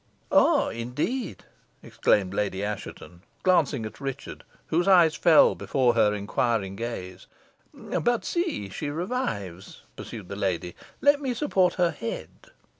"Ah, indeed!" exclaimed Lady Assheton, glancing at Richard, whose eyes fell before her inquiring gaze. "But see, she revives," pursued the lady. "Let me support her head."